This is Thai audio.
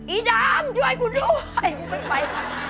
อีดามช่วยกูด้วยกูไม่ไป